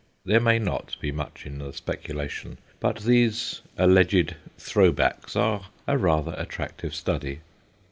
There may not be much in the speculation, but these alleged * throw backs ' are a rather attractive study.